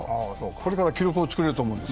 これから記録を作れると思うんです。